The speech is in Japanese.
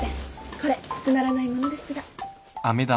これつまらないものですが。